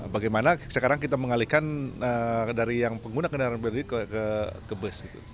bagaimana sekarang kita mengalihkan dari yang pengguna kendaraan pribadi ke bus